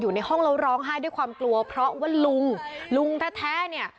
อยู่ในห้องแล้วร้องไห้ด้วยความกลัวเพราะว่าลุงลุงแท้แท้เนี่ย